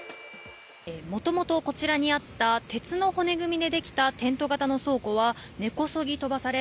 もともとこちらにあった鉄の骨組みでできたテント型の倉庫は根こそぎ飛ばされ